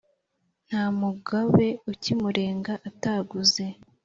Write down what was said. Nta mugobe ukimurenga ataguze.